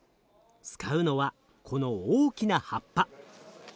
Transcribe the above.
使うのはこの大きな葉っぱ。